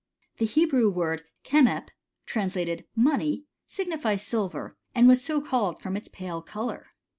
* The Hebrew word 5)D3 (kemep), translated money, signifies silver, and was so called from its pale colour.